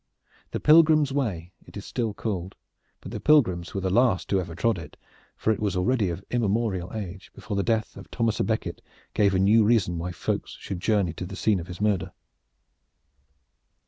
The Pilgrim's Way, it still is called; but the pilgrims were the last who ever trod it, for it was already of immemorial age before the death of Thomas a Becket gave a new reason why folk should journey to the scene of his murder.